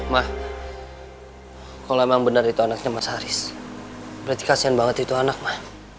ma kalau emang benar itu anaknya mas haris berarti kasihan banget itu anak ma